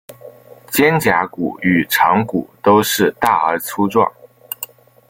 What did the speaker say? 肩胛骨与肠骨都是大而粗壮。